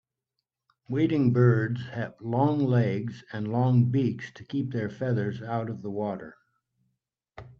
Wading birds have long legs and long beaks to keep their feathers out of the water.